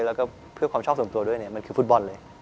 แล้วก็เพื่อความชอบส่วนตัวด้วยเนี่ยมันคือฟุตบอลเลย